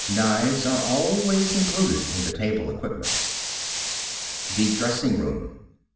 Knives are always included in the table equipment. _The Dressing room.